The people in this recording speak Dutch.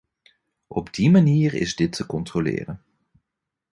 Op die manier is dit te controleren.